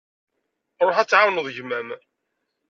Ruḥ ad tεawneḍ gma-m.